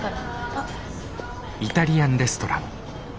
あっ。